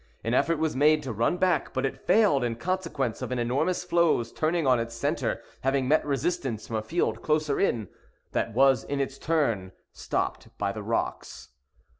An effort was made to run back, but it failed in consequence of an enormous floe's turning on its centre, having met resistance from a field closer in, that was, in its turn, stopped by the rocks.